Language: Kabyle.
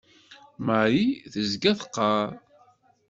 Marie tezga teqqar.